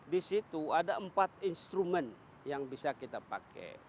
di situ ada empat instrumen yang bisa kita pakai